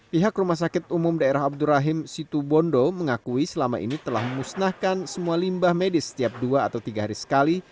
pihak rumah sakit umum daerah abdurrahim situbondo mengakui selama ini telah memusnahkan semua limbah medis setiap dua atau tiga hari sekali